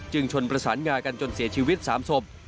ชนประสานงากันจนเสียชีวิต๓ศพ